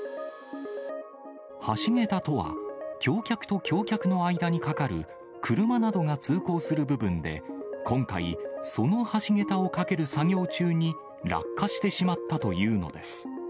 橋桁とは、橋脚と橋脚の間に架かる車などが通行する部分で、今回、その橋桁を架ける作業中に落下してしまったというのです。